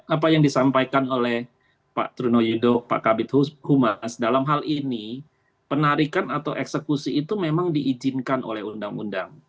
apa yang disampaikan oleh pak truno yudo pak kabit humas dalam hal ini penarikan atau eksekusi itu memang diizinkan oleh undang undang